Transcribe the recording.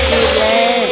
aku sudah menemukan air